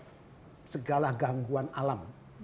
terhadap segala gangguan alam